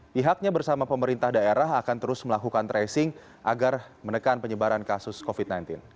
pihaknya bersama pemerintah daerah akan terus melakukan tracing agar menekan penyebaran kasus covid sembilan belas